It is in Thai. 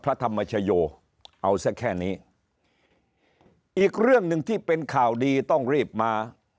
พระธรรมชโยเอาซะแค่นี้อีกเรื่องหนึ่งที่เป็นข่าวดีต้องรีบมา